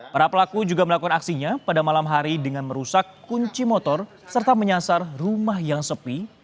para pelaku juga melakukan aksinya pada malam hari dengan merusak kunci motor serta menyasar rumah yang sepi